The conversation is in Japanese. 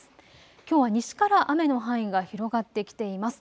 きょうは西から雨の範囲が広がってきています。